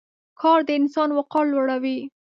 کار د انسان وقار لوړوي.